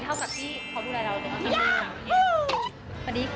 เท่ากับที่เขาดูแลเราไปที่นี่